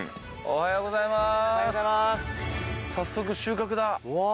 おはようございます。